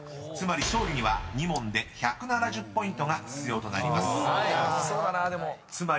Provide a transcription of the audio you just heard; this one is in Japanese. ［つまり勝利には２問で１７０ポイントが必要となります］